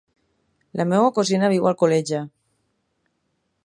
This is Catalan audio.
La meva cosina viu a Alcoleja.